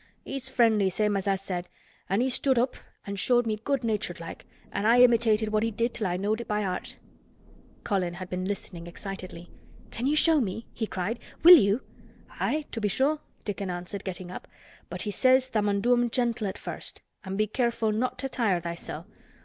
He's friendly same as I said an' he stood up an' showed me good natured like, an' I imitated what he did till I knowed it by heart." Colin had been listening excitedly. "Can you show me?" he cried. "Will you?" "Aye, to be sure," Dickon answered, getting up. "But he says tha' mun do 'em gentle at first an' be careful not to tire thysel'.